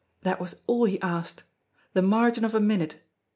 That was all he asked. The margin of a minute!